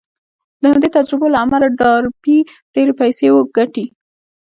د همدې تجربو له امله ډاربي ډېرې پيسې ګټي.